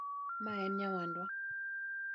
Mae en nyawadwa.